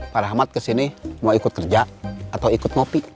pak rahmat kesini mau ikut kerja atau ikut ngopi